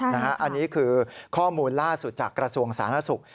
ใช่ค่ะอันนี้คือข้อมูลล่าสุดจากกระทรวงศาลนักศึกษ์